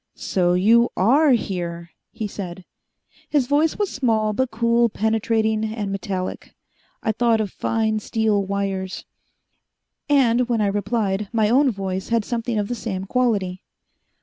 "So you are here," he said. His voice was small but cool, penetrating and metallic. I thought of fine steel wires. And, when I replied, my own voice had something of the same quality.